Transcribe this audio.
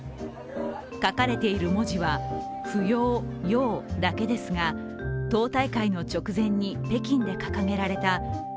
書かれている文字は「不要、要」だけですが党大会の直前に北京で掲げられた